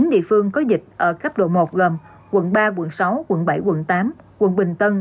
chín địa phương có dịch ở cấp độ một gồm quận ba quận sáu quận bảy quận tám quận bình tân